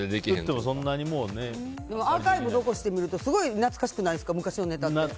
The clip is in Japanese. アーカイブを残して見るとすごい懐かしくないですか昔のネタって。